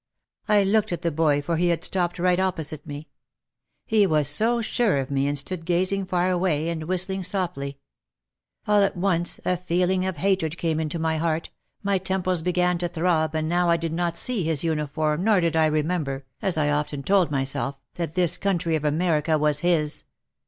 I looked at the boy for he had stopped right opposite me. He was so sure of me and stood gazing far away and whistling softly. All at once a feeling of hatred came into my heart, my temples began to throb and now I did not see his uniform nor did I remember, as I had often told myself, that this country of America was his.